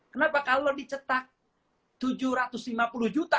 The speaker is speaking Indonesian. kenapa kalau dicetak tujuh ratus lima puluh juta